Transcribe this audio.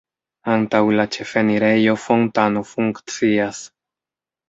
Antaŭ la ĉefenirejo fontano funkcias.